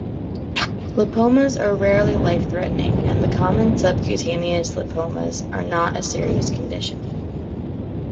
Lipomas are rarely life-threatening and the common subcutaneous lipomas are not a serious condition.